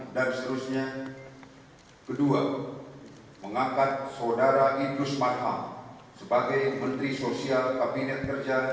lalu kebangsaan indonesia baik